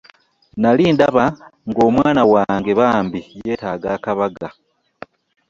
Nali ndaba ng'omwana wange bambi yeetaaga akabaga.